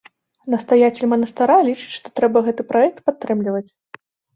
Настаяцель манастыра лічыць, што трэба гэты праект падтрымліваць.